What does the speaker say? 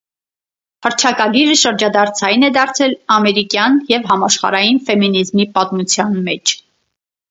Հռչակագիրը շրջադարձային է դարձել ամերիկյան և համաշխարհային ֆեմինիզմի պատմության մեջ։